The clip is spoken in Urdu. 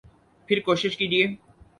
پھر کوشش کیجئے